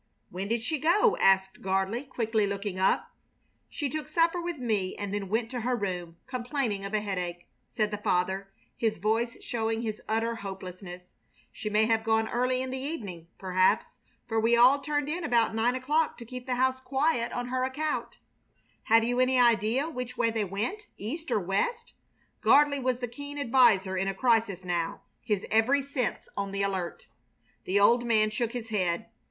"When did she go?" asked Gardley, quickly looking up. "She took supper with me and then went to her room, complaining of a headache," said the father, his voice showing his utter hopelessness. "She may have gone early in the evening, perhaps, for we all turned in about nine o'clock to keep the house quiet on her account." "Have you any idea which way they went, east or west?" Gardley was the keen adviser in a crisis now, his every sense on the alert. The old man shook his head.